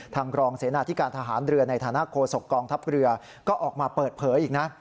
รองเสนาธิการทหารเรือในฐานะโคศกกองทัพเรือก็ออกมาเปิดเผยอีกนะ